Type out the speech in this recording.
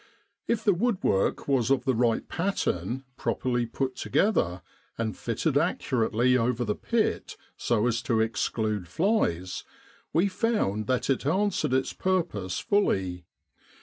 If the woodwork was of the right pattern properly put together, and fitted accurately over the pit so as to exclude flies, we found that it answered its purpose fully.